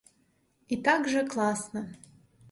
І так жа класна!